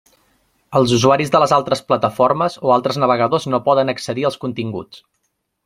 Els usuaris de les altres plataformes o altres navegadors no poden accedir als continguts.